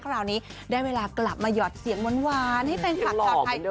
คราวนี้ได้เวลากลับมาหยอดเสียงหวานให้แฟนคลับชาวไทย